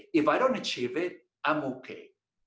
jika saya tidak mencapainya saya tidak apa apa